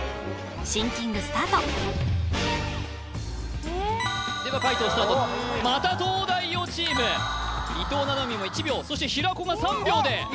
シンキングスタートでは解答スタートまた東大王チーム伊藤七海も１秒そして平子が３秒でいい